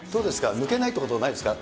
抜けないってことないですか？